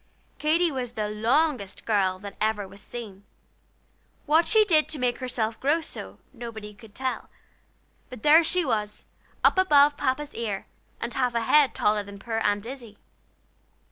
Katy was the longest girl that was ever seen. What she did to make herself grow so, nobody could tell; but there she was up above Papa's ear, and half a head taller than poor Aunt Izzie.